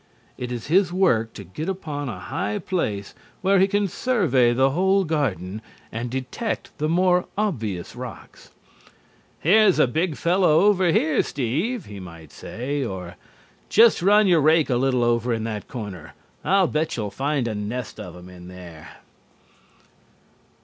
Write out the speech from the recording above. It is his work to get upon a high place where he can survey the whole garden and detect the more obvious rocks. "Here is a big fella over here, Steve," he may say. Or: "Just run your rake a little over in that corner. I'll bet you'll find a nest of them there."